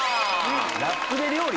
ラップで料理？